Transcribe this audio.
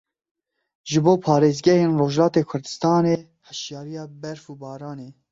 Ji bo parêzgahên Rojhilatê Kurdistanê hişyariya berf û baranê.